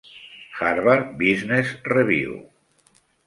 Harvard Business Review